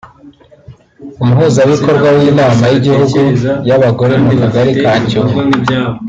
umuhuzabikorwa w’inama y’igihugu y’abagore mu Kagari ka Cyumba